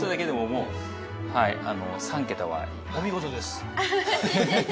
お見事です